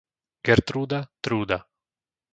Gertrúda, Trúda